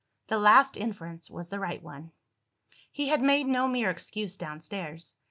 The last inference was the right one. He had made no mere excuse downstairs.